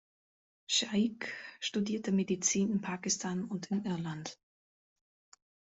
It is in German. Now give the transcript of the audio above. Shaikh studierte Medizin in Pakistan und in Irland.